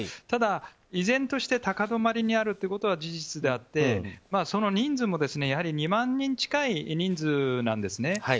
ただ、依然として高止まりにあるということは事実であって、その人数も２万人近い人数なんですね。